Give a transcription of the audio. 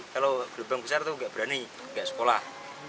kalau gelombang besar itu nggak berani nggak sekolah